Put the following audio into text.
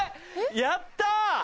やった！